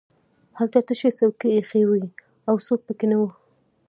هلته تشې څوکۍ ایښې وې او څوک پکې نه وو